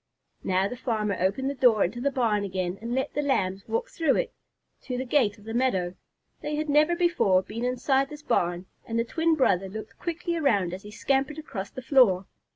Now the farmer opened the door into the barn again, and let the Lambs walk through it to the gate of the meadow. They had never before been inside this barn, and the twin brother looked quickly around as he scampered across the floor.